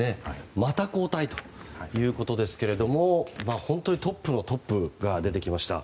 また交代ということですけれども本当にトップのトップが出てきました。